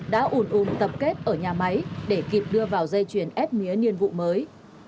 đã ủn ùn tập kết ở nhà máy để kịp đưa vào dây chuyền ép mía nhiên vụ mới